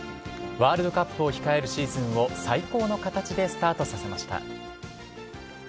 ワールドカップを控えるシーズンを、最高の形でスタートさせました。